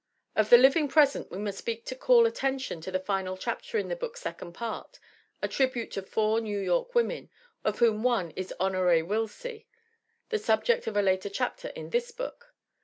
Of The Living Present we must speak to call attention to the final paper in the book's second part, a tribute to four New York women, of whom one is Honore Will sie, the subject of a later chapter in this book.